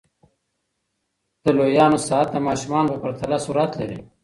د لویانو ساعت د ماشومانو په پرتله سرعت لري.